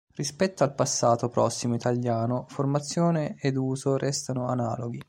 Rispetto al passato prossimo italiano, formazione ed uso restano analoghi.